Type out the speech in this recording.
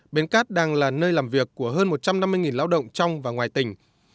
bến cát đang là nơi làm việc của hơn một trăm năm mươi lao động trong và ngoài tỉnh